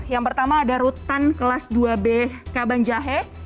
yang pertama ada rutan kelas dua b kabanjahe